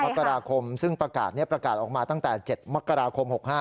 มกราคมซึ่งประกาศนี้ประกาศออกมาตั้งแต่๗มกราคม๖๕